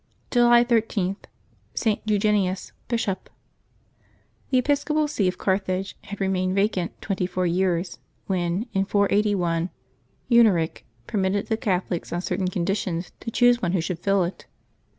July 13.— ST. EUGENIUS, Bishop. GHE episcopal see of Carthage had remained vacant twenty four years, when, in 481, Huneric permitted the Catholics on certain conditions to choose one who should fill it.